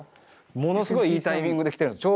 ものすごいいいタイミングで来てるんです。